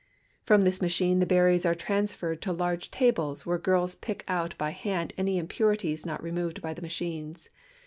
From this machine the berries are transferred to large tables, where girls pick out by hand any impurities not removed by the machines.